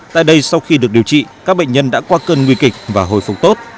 tại đây sau khi được điều trị các bệnh nhân đã qua cơn nguy kịch và hồi phục tốt